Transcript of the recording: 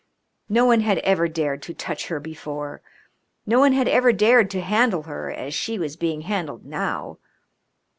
No one had ever dared to touch her before. No one had ever dared to handle her as she was being handled now.